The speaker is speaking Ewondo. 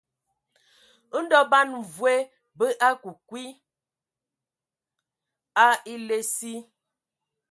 Ndɔ ban mvoe bə akə kwi a ele asi.